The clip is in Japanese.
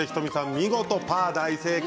見事、パー大正解！